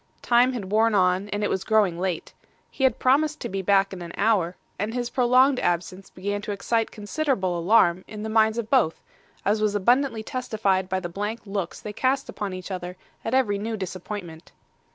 Time had worn on, and it was growing late. He had promised to be back in an hour; and his prolonged absence began to excite considerable alarm in the minds of both, as was abundantly testified by the blank looks they cast upon each other at every new disappointment.